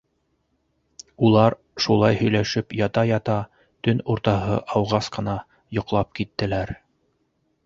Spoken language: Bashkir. - Улар, шулай һөйләшеп ята-ята, төн уртаһы ауғас ҡына йоҡлап киттеләр.